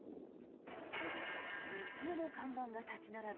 無数の看板が立ち並ぶ